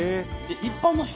一般の人？